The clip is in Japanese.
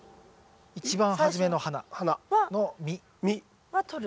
一番初めの花の実。はとる？